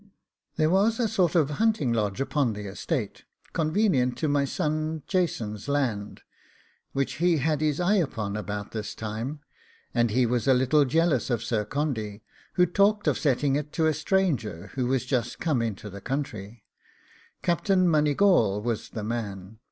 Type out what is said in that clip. There was a sort of hunting lodge upon the estate, convenient to my son Jason's land, which he had his eye upon about this time; and he was a little jealous of Sir Condy, who talked of setting it to a stranger who was just come into the country Captain Moneygawl was the man.